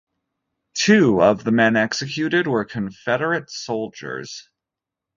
Two of the men executed were Confederate soldiers.